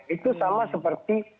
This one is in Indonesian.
itu sama seperti